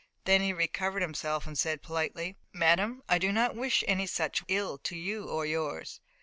Then he recovered himself and said politely: "Madame, I do not wish any such ill to you or yours."